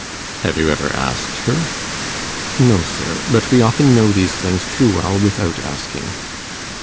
'Have you ever asked her?' 'No, sir. But we often know these things too well without asking.